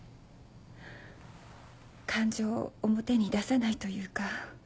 感情を表に出さないというか。